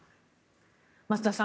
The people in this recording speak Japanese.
増田さん